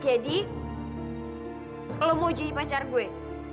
jadi lo mau jadi pacar gue